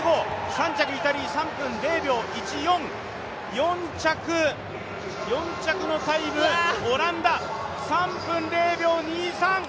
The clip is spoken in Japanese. ３着、イタリア、３分０秒１４、４着のタイム、オランダ、３分０秒２３。